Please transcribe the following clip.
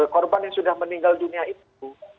korban yang sudah meninggal dunia itu